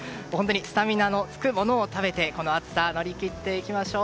スタミナのつくものを食べてこの暑さ乗り切っていきましょう。